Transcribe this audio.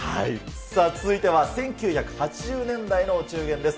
さあ、続いては１９８０年代のお中元です。